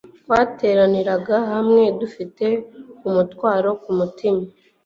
Twateraniraga hamwe dufite umutwaro ku mutima